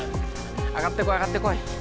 上がってこい、上がってこい。